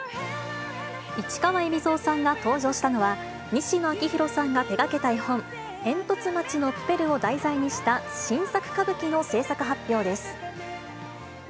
市川海老蔵さんが登場したのは、西野亮廣さんが手がけた絵本、えんとつ町のプペルを題材にした新作歌舞伎の制作発表です。